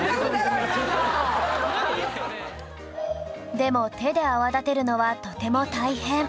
でも手で泡立てるのはとても大変